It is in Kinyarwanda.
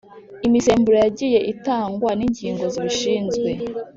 imisemburo yagiye itangwa n’ingingo zibishinzwe ,